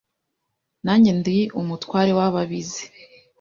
Nanjye ndi umutware wababizi